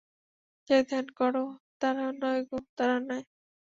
যাদের ধ্যান কর তারা নয় গো, তারা নয়।